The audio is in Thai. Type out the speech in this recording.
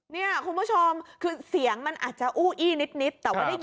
นี่คุณผู้ชมคือเสียงมันอาจจะอู้อีก